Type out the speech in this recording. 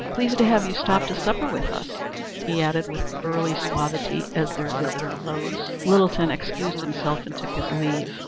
Pleased to have you stop to supper with us," he added with burly suavity as their visitor rose. Littleton excused himself and took his leave.